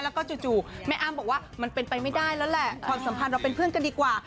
แล้วก็จู่แม่อ้ำบอกว่ามันเป็นไปไม่ได้แล้วแหละความสัมพันธ์เราเป็นเพื่อนกันดีกว่า